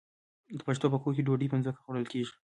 د پښتنو په کور کې ډوډۍ په ځمکه خوړل کیږي.